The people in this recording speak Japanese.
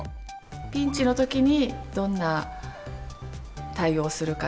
ピンチのときにどんな対応をするか。